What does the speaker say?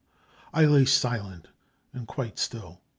5 I lay silent and quite still.